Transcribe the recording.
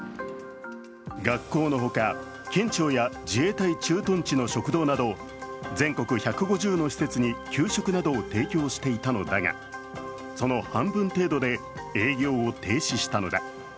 学校のほか、県庁や自衛隊駐屯地の食堂など全国１５０の施設に給食などを提供していたのだがその半分程度で、営業を停止したのだ。